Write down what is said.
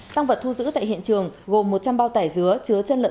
tăng vật thu giữ tại hiện trường gồm một trăm linh bao tải dứa chứa chân lợn